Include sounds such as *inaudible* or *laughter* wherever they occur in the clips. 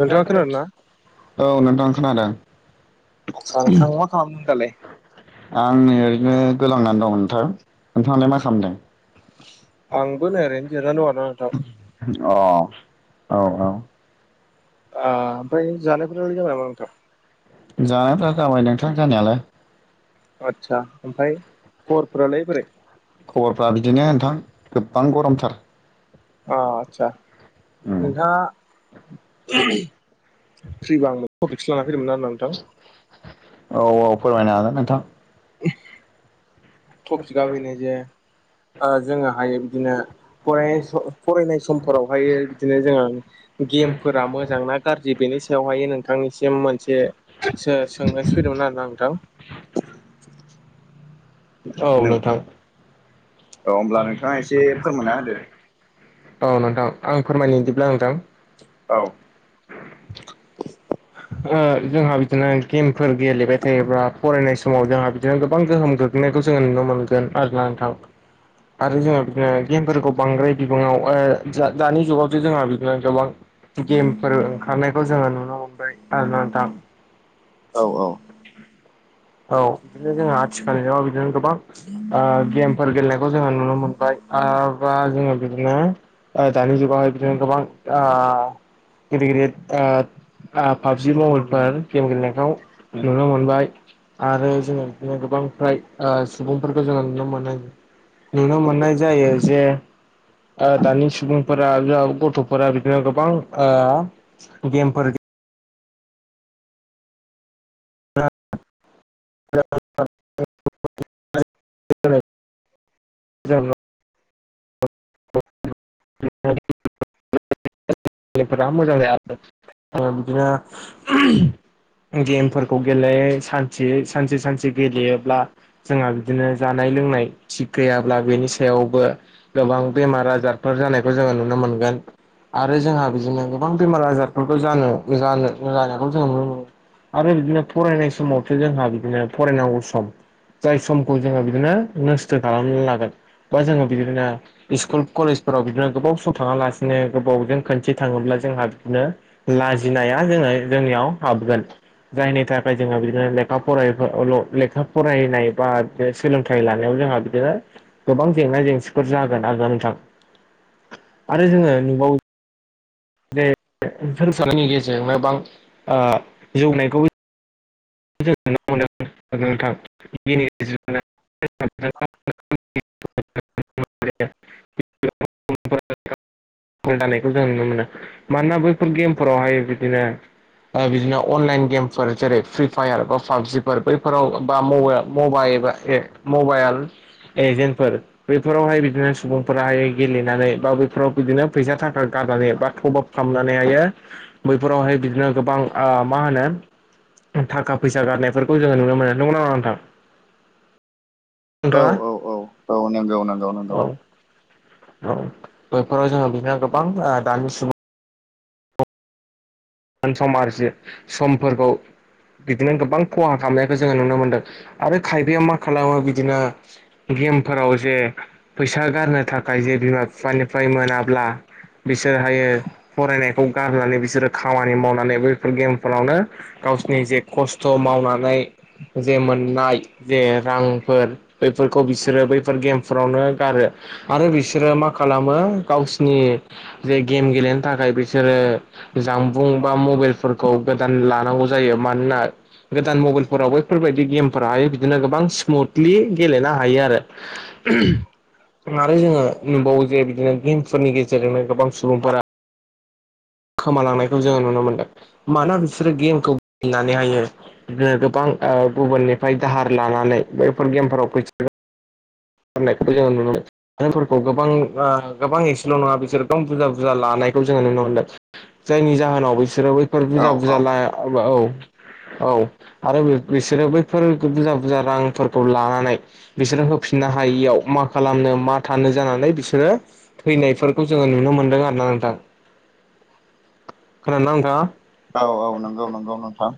नोंथाङा खोनादों ना? औ नोंथां खोनादों? आसा नोंथां मा खालामदों दालाय? आं ओरैनो गोलांनानै दं नोंथां नोंथाङालाय मा खालामदों? आंबो नै ओरैनो जिरायना दं आरोना नोंथां। अ औ औ। ओ ओमफ्राय जानायफोरालाय जाबाय नामा नोंथां? जानायफ्रा जाबाय नोंथां जानायालाय। आदसा ओमफ्राय खबरफोरालाय बोरै? *unintelligible* खबरफ्रा बिदिनो होनथां गोबां गरमथार। अ आतसा उम नोंथांङा फ्रिबा आं टपिकसो लाना फैदोंमोन आरो नोंथां। औ औ फोरमायनो हागोन नोंथां। *unintelligible* टपिका बेनो जे ओ जोङोहायो बिदिनो फरायनाय सम फरायनाय समफोरावहाय बिदिनो जोंहा गेमफोरा मोजांना गाज्रि बेनि सायावहाय नोंथांनिसिम मोनसे सो-सोंनो सफैदोंमोन आरोना नोंथां। औ नों नोंथां। औ *unintelligible* होमब्ला नोंथाङा एसे फोरमायना होदो औ नोंथां आं फोरमायनो बिदिब्ला नोंथां। औ। ओ जोंहा बिदिनो गेमफोर गेलेबाय थायोब्ला फरायनाय समाव जोंहा बिदिनो गोबां गोहोम गो ग्लैनायखौ जोङो नुनो मोनगोन आरोना नोंथां। आरो जोंहा बिदिनो गेमफोरखौ बांद्राय बिबांआव ओ जा दानि जुगावसो जोंहा बिदिनो गोबां गेमफोर ओंखारनायखौ जोङो नुनो आरोना नोंथां। औ औ। औ बिदिनो जोंहा आथिखाल जुगाव बिदिनो गोबां ओ गेमफोर गेलेनायखौ जोङो नुनो मोनबाय आरोबा जोङो बिदिनो ओ दानि जुगावहाय बिदिनो गोबां ओ गिदिर गिदिर ओ ओ पाबजि मबाइलफोर गेम गेलेनायखौ नुनो मोनबाय। आरो जोङो बिदिनो गोबां फ्राय ओ सुबुंफोरखौ जोङो नुनो मोनो। नुनो मोननाय जायो जे ओ दानि सुबुंफोरा जा गथ'फोरा बिदिनो गोबां ओ गेमफोर गे *unintelligible* *unintelligible* गथ'फोरा मोजां जाया आरो बिदिनो *unintelligible* गेमफोरखौ गेले सानसे सानसे सानसे गेलेयोब्ला जोंहा बिदिनो जानाय लोंनाय थिग गैयाब्ला बेनि सायावबो गोबां बेमार आजारफोर जानायखौ जोङो नुनो मोनगोन आरो जोंहा बिदिनो गोबां बेमार आजारफोरखौ जानो जानो जानायखौ जों नुनो मोनो। आरो बिदिनो फरायनाय समावथ' जोंहा बिदिनो फरायनांगौ सम। जाय समखौ जोङो बिदिनो नस्थ' खालामना लागोन। बा जोङो बिदिनो स्कुल कलेजफोराव बिदिनो गोबाव सम थाङालासिनो गोबावजों खनसे थाङोब्ला जोंहा बिदिनो लाजिनाया जोङो जोंनियाव हाबगोन। जायनि थाखाय जोङो बिदिनो लेखा फराय बा लेखा फरायनाय बा बे सोलोंथाइ लानायाव जोंहा बिदिनो गोबां जेंना जेंसिफोर जागोन आरो नोंथां। आरो जोङो नुबावो *unintelligible* गेजेरजोंनो गोबां जौनायखौ जों नुनो मोनो *unintelligible* *unintelligible* *inaudible* *unintelligible* जानायखौ जों नुनो मोनो मानोना बैफोर गेमफोरावहाय बिदिनो ओ बिदिनो अनलाइन गेमफोर जेरै फ्रि फायार बा पाबजिफोर बैफोराव बा मबे मबाइ बा ए मबाइल एजेन्टफोर। बैफोरावहाय बिदिनो सुबुंफोराहाय गेलेनानै बा बैफोराव बिदिनो फैसा थाखा गारनानै बा थबा खामनानै हायो बैफोरावहाय बिदिनो गोबां ओ मा होनो थाखा फैसा गारनायफोरखौ जोङो नुनो मोनो, नंगौ नङा नोंथां? औ नोंथाङा औ औ औ नंगौ नंगौ नंगौ। औ औ बेफोराव जोङो बिदिनो गोबां ओ दानि सुबुं *unintelligible* समफोरखौ बिदिनो गोबां खहा खालामनायखौ जोङो नुनो मोनदों आरो खायफाया मा खालामो बिदिनो गेमफोराव जे फैसा गारनो थाखाय जे बिमा बिफानिफ्राय मोनाब्ला बिसोरहायो फरायनायखौ गारनानै बिसोरो खामानि मावनानै बैफोर गेमफोरावनो गावसिनि जे खस्थ' मावनानै जे मोननाय जे रांफोर बैफोरखौ बिसोरो बैफोर गेमफोरावनो गारो । आरो बिसोरो मा खालामो गावसिनि जे गेम गेलेनो थाखाय बिसोरो जामबुं बा मबाइलफोरखौ गोदान लानांगौ जायो। मानोना गोदान मबाइलफोराव बैफोरबायदि गेमफोराहाय बिदिनो गोबां स्मुथलि गेलेनो हायो आरो। *unintelligible* आरो जोङो नुबावो जे बिदिनो गेमफोरनि गेजेरजोंनो गोबां सुबुंफोरा खोमालांनायखौ जोङो नुनो मोन्दों। मानोना बिसोरो गेमखौ गेलेनानैहायो बिदिनो गोबां ओ गुबुननिफ्राय दाहार लानानै बैफोर गेमफोराव फैसा *unintelligible* गारनायखौबो जों नुनो मोनो। *unintelligible* फोरखौ गोबां ओ गोबां एसेल' नङा बिसोर गोबां बुरजा बुरजा लानायखौ जोङो नुनो मोनदों। जायनि जाहोनाव बिसोरो बैफोर औ बुरजा औ बुरजा ला आ ब ब औ। औ आरो बिसोरो बैफोर बुरजा बुरजा रांफोरखौ लानानै बिसोरो होफिननो हायियाव मा खालामनो मा थानो जानानै बिसोरो थैनायफोरखौ जोङो नुनो मोनदों आरोना नोंथां। खोनदोंना नोंथाङा? औ औ नंगौ नंगौ नोंथां।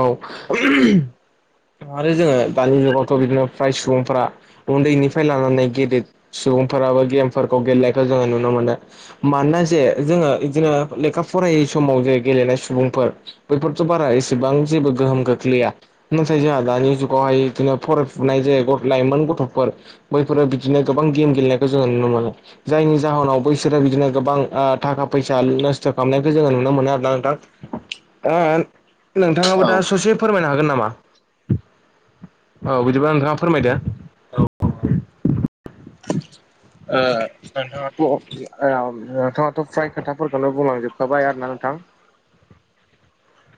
औ *unintelligible* आरो जोङो दानि जुगावथ' बिदिनो फ्राय सुबुंफ्रा उन्दैनिफ्राय लानानै गेदेर सुबुंफोराबो गेमफोरखौ गेलेनायखौ जोङो नुनो मोनो। मानोना जे जोङो इदिनो लेखा फरायै समाव जे गेलेनाय सुबुंफोर बैफोरथ' बारा एसेबां जेबो गोहोम खोख्लैया नाथाय जोंहा दानि जुगावहाय बिदिनो फरायफुनाय जे लाइमोन गथ'फोर बैफोरो बिदिनो गोबां गेम गेलेनायखौ जोङो नुनो मोनो। जायनि जाहोनाव बैसोरो बिदिनो गोबां ओ थाखा फैसा नस्थ' खालामनायखौ जोङो नुनो मोनो आरोना नोंथां। *unintelligible* नोंथाङाबो औ दा ओ ससे फोरमायनो हागोन नामा? औ- बिदिबा नोंथाङा फोरमायदो। *inaudible* ओ- नोंथाङाथ' ओं- उम- नोंथाङाथ' फ्राय खोथाफोरखौनो बुंलांजोबखाबाय आरोना नोंथां।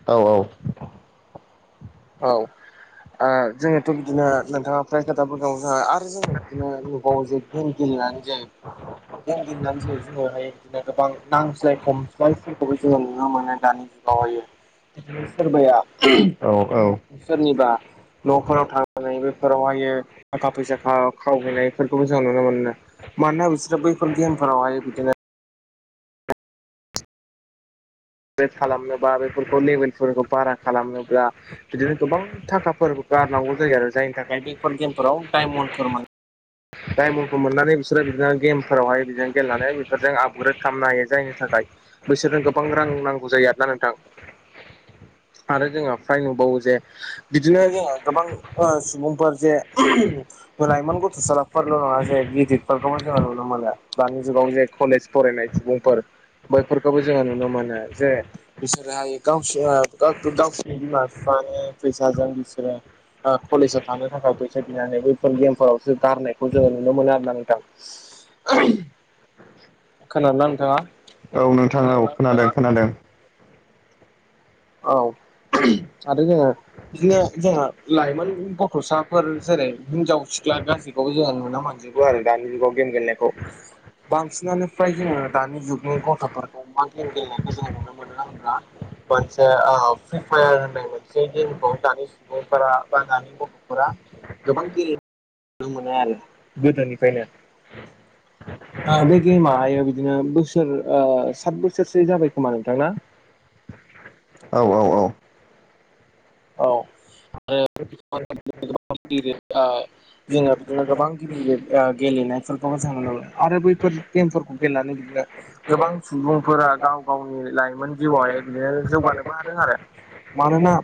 औ- औ- औ- ओ- जोङोथ' बिदिनो नोंथाङा फ्राय खोथाबो दङ ज *unintelligible* आरो जों बिदिनो नुबावो जे गेम गेलेनानै जों गेम गेलेनानै जों जोङोहाय *unintelligible* बिदिनो गोबां नांज्लाय खमस्वालफोरखौबो जोङो नुनो मोनो दानि जुगावहायो । सोरबाया औ औ सोरनिबा न'फोराव थांनानै बेफोरावहायो थाखा फैसा खाव- खावहैनायफोरखौबो जों नुनो मोनो। मानोना बिसोरो बैफोर गेमफोरावहाय बिदिनो *unintelligible* खालामनोबा बेफोरखौ लेबेलफोरखौ बारा खालामनोब्ला, बिदिनो गोबां थाखाफोर गारनांगौ जायो आरो जायनि थाखाय बेफोर गेमफोराव डायमन्डफोर मानो डायमन्डखौ मोननानै बिसोरो बिदिनो गेमफोरावहाय बिदिनो गेलेनानै बेफोरजों आपग्रेड खालामनो हायो। जायनि थाखाय बैसोरनो गोबां रां नांगौ जायो आरोना नोंथां। आरो जोंहा फ्राय नुबावो जे बिदिनो जोङो गोबां ओ- सुबुंफोर जे लाइमोन गथ'सा फोरल' नङा जे गिदिरफोरखौ जोङो नुनो मोनो दानि जुगाव जे कलेज फरायनाय सुबुंफोर बैफोरखौबो जोङो नुनो मोनो जे बिसोरोहाय गावसोर *unintelligible* फैसाजों बिसोरो कलेजाव थांनो थाखाय फैसा बिनानै बैफोर गेमफोरावसो गारनाय खौ जोङो नुनो मोनो होनना नथां। खोनानो नोंथाङा? औ नोंथाङा औ खोनादों खोनादों। औ आरो जोङो बिदिनो जोंहा लाइमोन गथ'साफोर जेरै हिनजाव सिख्ला गाज्रि बेखौबो जोङो नुना मोनजोबो आरो दानि जुगाव गेम गेलेनायखौ बांसिनानो फ्राय जोङो दानि जुगनि गथ'फोरखौ मान्थलिम गेलेनायखौ जोङो नुनो मोनो होनोब्ला फ्रि फायार होननाय मोनसे गेमखौ दानि सुबुंफोरा बा दानि गथ'फोरा जबांखि मोना आरो गोदोनिफ्रायनो बे गेमाहाय बि बिदिनो बोसोर साथ बोसोरसो जाबाय खोमा नोंथांना? औ औ औ। औ *unintelligible* जोङो बिदिनो गोबां गिदिर गिदिर गेलेनायफोरखौ ज दो आरो बैफोर गेमफोरखौ गेलेनानै बिदिनो गोबां सुबुंफोरा गाव गावनि लाइमोन जिउआवहाय बिदिनो जौगानोबो हादों आरो। मानोना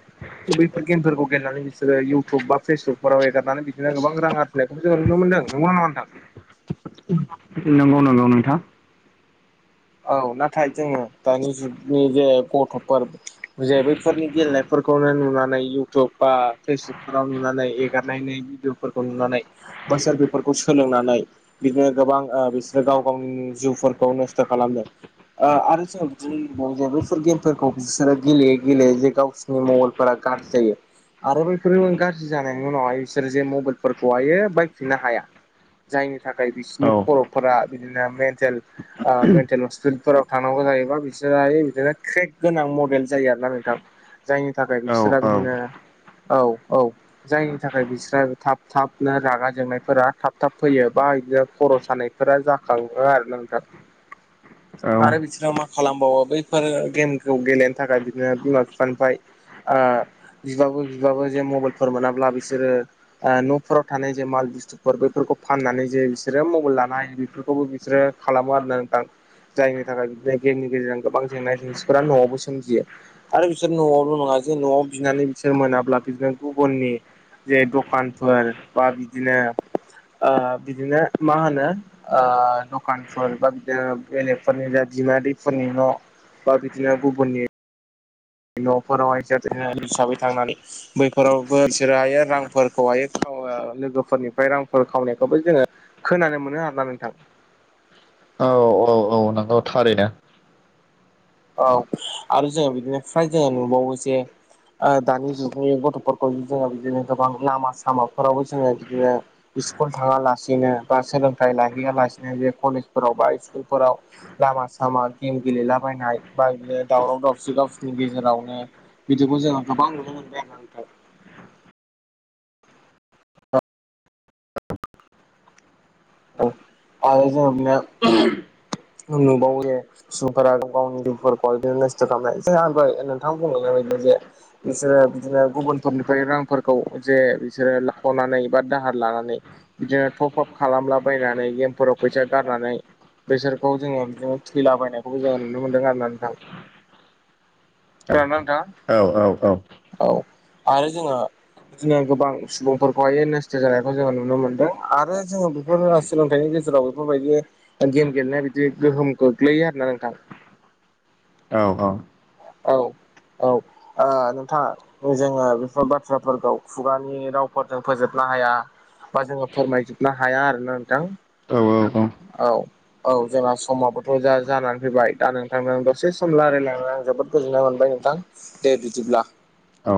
बैफोर गेमफोरखौ गेलेनानै जो इउटुब बा फेसबुकफोराव एगारनानै बिदिनो गोबां आरजिनायखौ जों नुनो मोनदों नुनो न मोनदों। नंगौ नंगौ नोंथा। औ नाथाय जोङो दानि जुगनि जे गथ'फोर जे बैफोरनि गेलेनायफोरखौनो नुनानै इउटुब बा फेसबुकफोराव नुनानै एगारनाय भिडिअफोरखौ नुनानै बोसोर बेफोरखौ सोलोंनानै बिदिनो गोबां बिसोरो गाव गावनि जिउफोरखौनो खालामदों । आरो जोङो बिदिनो लबावो जे बैफोर गेमफोरखौ बिसोरो गेलेयैेलेै जे गाव नि *unintelligible* गाज्रि जायो। आरो बैफोर गाज्रि जानायनि उनावहाय बिसोरो जे मबाइलफोरखौहायो बायफिननो हाया। जायनि थाखाय औ बिसिनि खर'फोरा बिदिनो मेन्टेल मेन्टेल हस्पि फोराव थांनांगौ जायोबा बिसोरहाय बिदिनो क्रेक गोनां मडेल जायो आरोना नोंथां जायनि थाखाय औ बिसोरा औ बिदिनो औ औ जायनि थाखाय बिस्रा थाब थाबनो रागा जोंनायफोरा थाब थाब फैयो बा बिदिनो खर' सालानाय फोर जाखाङो आरो नोंथां आरो बिसोरो मा खालामबावो बैफोर गेमखौ गेलेनो थाखाय बिदिनो बिमा बिफानिफ्राय बिबाबो बिबाबो जे मबाइलफोर मोनाब्ला बिसोरो न'फोराव थानाय जे माल बेफोरखौ फाननानै जे बिसोरो मबाइल लानो हायो बेफोरखौबो बिसोरो खालामो आरो जायनि थाखाय बिदिनो गेमनि गेजेरजों गोबां जेंना जेंसिफोरा न'आवबो सोमजियो आरो बिसोर न'आवल' नङा जे न'आव बिनानै बिसोर मोनाब्ला बिदिनो गुबुननि जे दखानफोर बा बिदिनो बिदिनो मा होनो दखानफोर बा बिदिनो बेलेगफोरनि जा बिम दैफोरनि न' बा बिदिनो गुबुननि न'फोरावहाय जारि हिसाबै थांनानै बैफोरावबो बिसोरो हायो रांफोरखौहायो खो आरो लोगोफोरनिफ्राय रांफोर खामनायखौबो जोङो खोनानो मोनो आरोना नोंथां। औ औ औ नोंगौ थारैनो। औ आरो जोङो बिदिनो फ्राय जोङो नुबावो जे दानि जुगनि गथ'फोरखौ जोङो बिदिनो गोबां लामा सामाफोरावबो जोङो बिदिनो स्कुल थाङालासिनो बा सोलोंथाइ लाहैया लासिनो बे कलेजफोराव बा स्कुलफोराव लामा सामा गेम गेलेलाबायनाय बायलो दावराव दावसि गावसिनि गेजेरावनो बिदिखौ जोङो गोबां नुनो मोनबाय आरो नोंथां औ आरो जोबनायाव नुबावो सुबुंफोरा गावनि दुखफोरखौ बिदिनो नस्थ' खालामनाय जों आं दहाय नोंथांनो बुंलांनाय बायदि जे बिसोरो बिदिनो गुबुनफोरनिफ्राय रांफोरखौ जे बिसोरो लाख'नानै बा दाहार लानानै बिदिनो टपआप खालामलाबायनानै गेमफोराव फैसा गारनानै बेसोरखौ जोङो बिदिनो थैलाबायनायखौबो जोङो नुनो मोनदों आरो नोंथां औ खोनादों ना नोंथां औ औ औ औ आरो जोङो बिदिनो गोबां सुबुंफोरखौहाय नस्थ' जानायखौ जोङो नुनो मोनदों आरो जोङो बेफोर सोलोंथाइनि गेजेराव बेफोरबायदि गेम गेलेनाया बिदि गोहोम गोग्लैयो आरोना नोंथां औ औ औ औ ओ नोंथां जोङो बेफोर बाथ्राफोरखौ खुगानि रावफोरजों फोजोबनो हाया बा जोङो फोरमायजोबनो हाया आरोना नोंथां औ औ जोंहा समाबोथ' जा जानानै फैबाय दा नोंथांनो दसे सम रायज्लाय लायनानै आं जोबोद गोजोननाय मोनबाय नोंथां दे बिदिब्ला औ